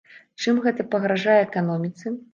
Чым гэта пагражае эканоміцы?